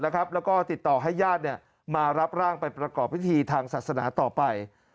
แล้วก็ติดต่อให้ญาติมารับร่างไปประกอบพิธีทางศาสนาต่อไป